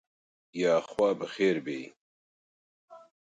یاخوا بەخێر بێی.